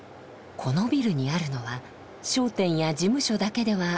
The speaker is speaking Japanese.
このビルにあるのは商店や事務所だけではありません。